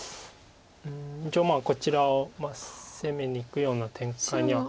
うん一応こちらを攻めにいくような展開には。